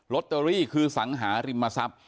ตเตอรี่คือสังหาริมทรัพย์